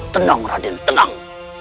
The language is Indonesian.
tenang raden tenang